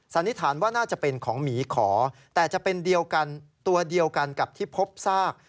สันนิษฐานว่าน่าจะเป็นของหมีขอแต่จะเป็นเดียวกันตัวเดียวกันกับที่พบซาก